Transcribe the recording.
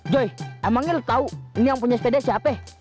joy emangnya lo tau ini yang punya sepeda siapa